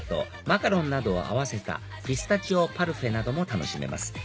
マカロンなどを合わせたピスタチオパルフェなども楽しめます